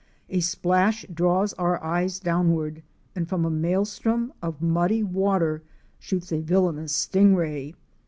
A splash draws our eyes downward, and from a maelstrom of muddy water shoots a villainous sting ray.